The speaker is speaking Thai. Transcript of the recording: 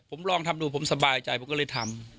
ผมลองทำดูผมสบายใจผมก็เลยทำ